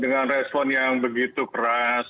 dengan respon yang begitu keras